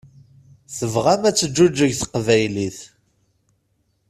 Tebɣam ad teǧǧuǧeg teqbaylit.